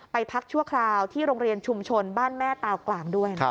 พักชั่วคราวที่โรงเรียนชุมชนบ้านแม่ตาวกลางด้วยนะครับ